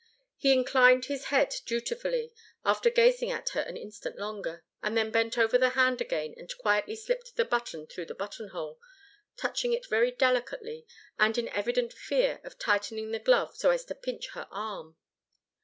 He inclined his head dutifully, after gazing at her an instant longer, and then bent over the hand again and quietly slipped the button through the button hole, touching it very delicately and in evident fear of tightening the glove so as to pinch her arm.